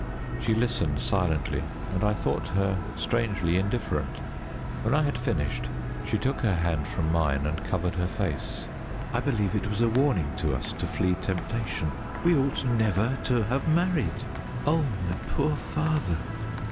She listened silently, and I thought her strangely indifferent. When I had finished, she took her hand from mine and covered her face. "I believe it was a warning to us to flee temptation. We ought never to have married. Oh, my poor father!"